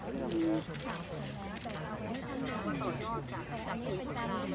เพลงที่มันสนุกสนุกใช่ไหมถ่ายด้วยถ่ายด้วยสนุกสนุก